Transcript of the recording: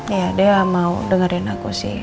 ya dia mau dengerin aku sih